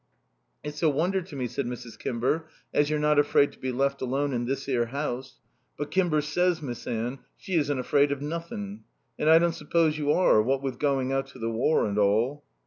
"It's a wonder to me," said Mrs. Kimber, "as you're not afraid to be left alone in this 'ere house. But Kimber says, Miss Anne, she isn't afraid of nothing. And I don't suppose you are, what with going out to the war and all."